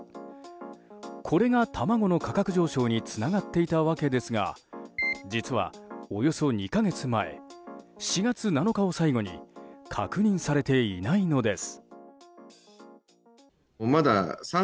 これが卵の価格上昇につながっていたわけですが実は、およそ２か月前４月７日を最後に確認されていないのです。